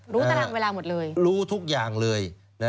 ตารางเวลาหมดเลยรู้ทุกอย่างเลย